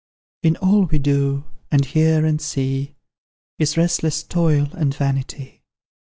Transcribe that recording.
In all we do, and hear, and see, Is restless Toil and Vanity.